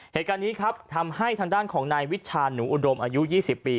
เหตุการณ์นี้ครับทำให้ทางด้านของนายวิชาหนูอุดมอายุ๒๐ปี